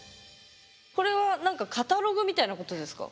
これはカタログみたいなことですか？